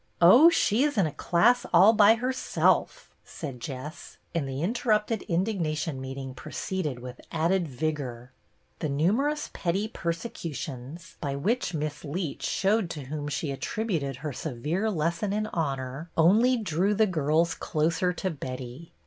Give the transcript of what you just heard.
"Oh, she's in a class all by herself," said Jess; and the interrupted indignation meet ing proceeded with added vigor. The numerous petty persecutions, by which Miss Leet showed to whom she at tributed her severe lesson in honor, only BETTY BAIRD 1 16 drew the girls closer to Betty.